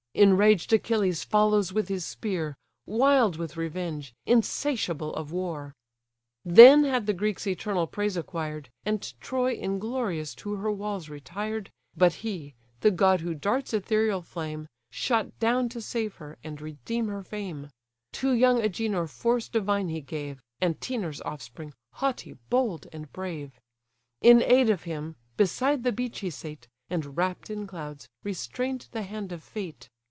Enraged Achilles follows with his spear; Wild with revenge, insatiable of war. Then had the Greeks eternal praise acquired, And Troy inglorious to her walls retired; But he, the god who darts ethereal flame, Shot down to save her, and redeem her fame: To young Agenor force divine he gave; (Antenor's offspring, haughty, bold, and brave;) In aid of him, beside the beech he sate, And wrapt in clouds, restrain'd the hand of fate.